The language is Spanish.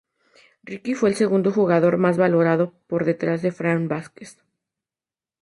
Ricky fue el segundo jugador más valorado por detrás de Fran Vázquez.